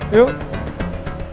tidak ada yang bisa dihentikan